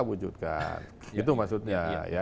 wujudkan itu maksudnya